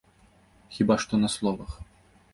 Хіба што на словах.